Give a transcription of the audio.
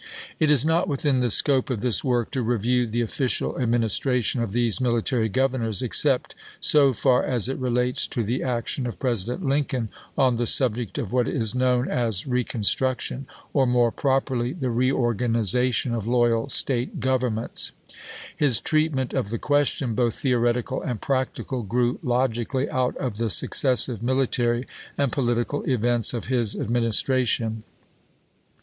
It is not within the scope of this work to review the official administration of these military gov ernors, except so far as it relates to the action of President Lincoln on the subject of what is known as reconstruction, or, more properly, the reorganiza MILITAKY GOVERNORS 347 tion of loyal State governments. His treatment chap.xvi. of the question, both theoretical and practical, grew logically out of the successive military and political events of his administration.